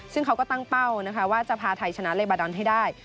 ซึ่งเขาก็ตั้งเป้านะคะว่าจะพาไทยชนะเลบาดอนให้ได้